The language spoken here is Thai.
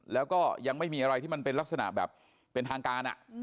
แล้วก็ยังไม่มีอะไรที่มันเป็นลักษณะแบบเป็นทางการ